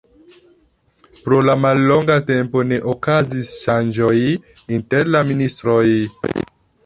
Pro la mallonga tempo ne okazis ŝanĝoj inter la ministroj.